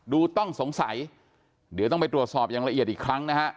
ต้องสงสัยเดี๋ยวต้องไปตรวจสอบอย่างละเอียดอีกครั้งนะฮะ